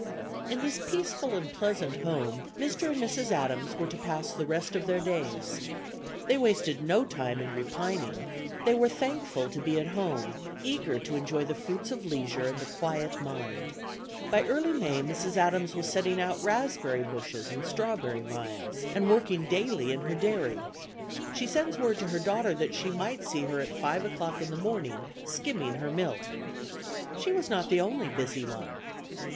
In this peaceful and pleasant home, Mr. and Mrs. Adams were to pass the rest of their days. They wasted no time in repining; they were thankful to be at home, eager to enjoy the fruits of leisure and the quiet mind. By early May, Mrs. Adams was setting out raspberry bushes and strawberry vines, and working daily in her dairy. She sends word to her daughter that she might see her at five o'clock in the morning, skimming her milk. She was not the only busy one.